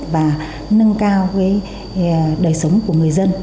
và nâng cao đời sống của người dân